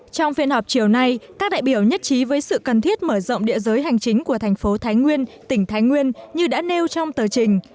trong phiên họp chiều nay các đại biểu nhất trí với sự cần thiết mở rộng địa giới hành chính của thành phố thái nguyên tỉnh thái nguyên như đã nêu trong tờ trình